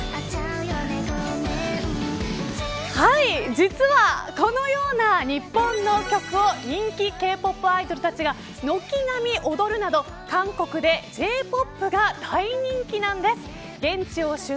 実は、このような日本の曲を人気Ｋ‐ＰＯＰアイドルが軒並み踊るなど韓国でＪ‐ＰＯＰが大人気なんです。